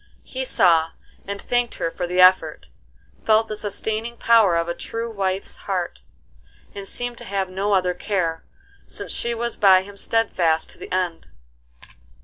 He saw and thanked her for the effort, felt the sustaining power of a true wife's heart, and seemed to have no other care, since she was by him steadfast to the end.